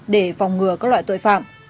để phòng ngừa các loại tội phạm